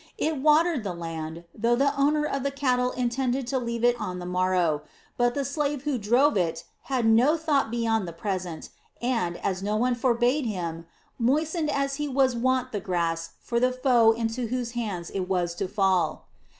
It watered the land, though the owner of the cattle intended to leave it on the morrow; but the slave who drove it had no thought beyond the present and, as no one forbade him, moistened as he was wont the grass for the foe into whose hands it was to fall.